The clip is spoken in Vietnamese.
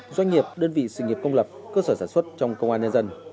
doanh nghiệp đơn vị sự nghiệp công lập cơ sở sản xuất trong công an nhân dân